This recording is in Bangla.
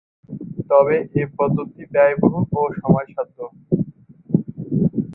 তবে এ পদ্ধতি ব্যয়বহুল ও সময়সাধ্য।